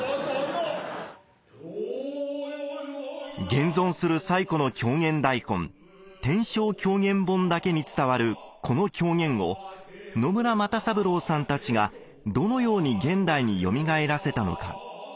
現存する最古の狂言台本「天正狂言本」だけに伝わるこの狂言を野村又三郎さんたちがどのように現代によみがえらせたのか。